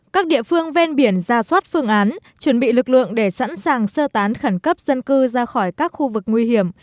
các địa phương ven biển ra soát phương án chuẩn bị lực lượng để sẵn sàng sơ tán khẩn cấp dân cư ra khỏi các khu vực nguy hiểm